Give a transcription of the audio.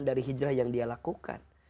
dari hijrah yang dia lakukan